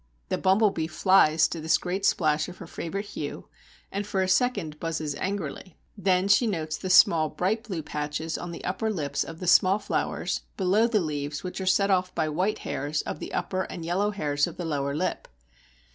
The Bumble bee flies to this great splash of her favourite hue and for a second buzzes angrily, then she notes the small bright blue patches on the upper lips of the small flowers below the leaves which are set off by white hairs of the upper and yellow hairs of the lower lip.